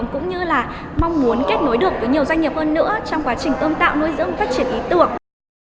cũng như là mong muốn kết nối được với nhiều doanh nghiệp hơn nữa trong quá trình ươm tạo nuôi dưỡng phát triển ý tưởng